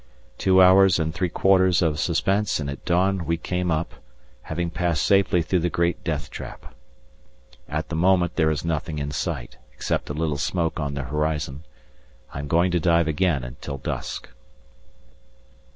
Two hours and three quarters of suspense, and at dawn we came up, having passed safely through the great deathtrap. At the moment there is nothing in sight, except a little smoke on the horizon. I am going to dive again till dusk.